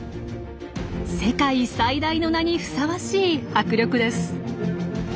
世界最大の名にふさわしい迫力です。